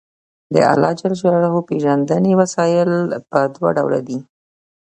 د اللَّهِ ج پيژندنې وسايل په دوه ډوله دي